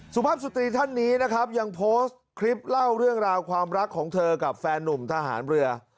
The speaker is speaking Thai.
สุภาพสตรีท่านนี้นะครับยังโพสต์คลิปเล่าเรื่องราวความรักของเธอกับแฟนนุ่มทหารเรือ